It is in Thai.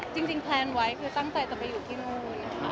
จริงแพนไว้คือตั้งใจจะไปอยู่ที่นู่น